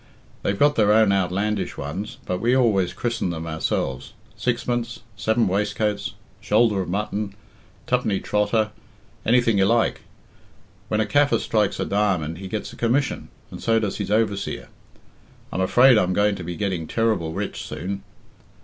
They've got their own outlandish ones, but we always christen them ourselves Sixpence, Seven Waistcoats, Shoulder of Mutton, Twopenny Trotter anything you like. When a Kaffir strikes a diamond, he gets a commission, and so does his overseer. I'm afraid I'm going to be getting terrible rich soon.